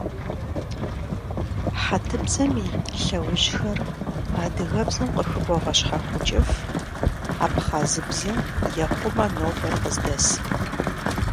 Хьэтыбзэм и лъэужьхэр адыгэбзэм къыхыбогъэщхьэхукӀыф, абхъазыбзэм ехъумэ нобэр къыздэсым.